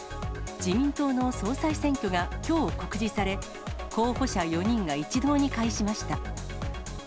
自民党の総裁選挙がきょう告示され、候補者４人が一堂に会しました。